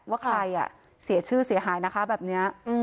ว่าใครเสียชื่อเสียหายนะคะแบบนี้